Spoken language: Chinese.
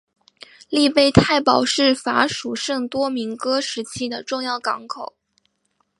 利贝泰堡是法属圣多明戈时期的重要港口。